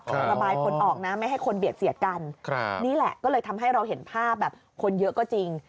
ระบายคนออกนะไม่ให้คนเบียดเสียดกันนี่แหละก็เลยทำให้เราเห็นภาพแบบคนเยอะก็จริง